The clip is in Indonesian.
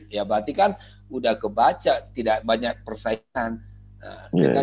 berarti kan sudah terbaca tidak banyak persaingan